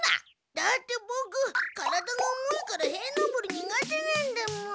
だってボク体が重いから塀のぼり苦手なんだもん。